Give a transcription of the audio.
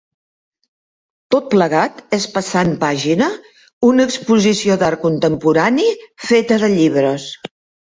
Tot plegat és "Passant Pàgina", una exposició d'art contemporani feta de llibres.